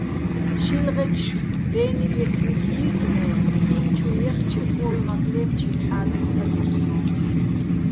შილღეჩო̆ დე́ნიგეჸ ჲუხ ჲირწნე́ს, წი́ნ ჩუ ჲეხჩე პო́ლმაქ ლე́ფჩი́ნი̆ ჰ̦ა́წუგ დაგირ სოჼ.